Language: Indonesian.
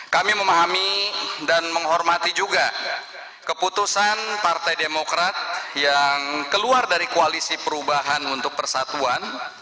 kami memahami dan menghormati juga keputusan partai demokrat yang keluar dari koalisi perubahan untuk persatuan